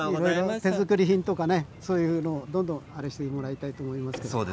手作り品とかそういうものをどんどん、あれしてもらいたいと思いますけれど。